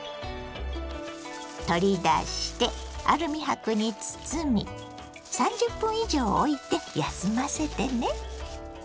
取り出してアルミ箔に包み３０分以上おいて休ませてね。